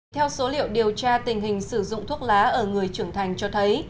theo số liệu điều tra tình hình sử dụng thuốc lá ở người trưởng thành cho thấy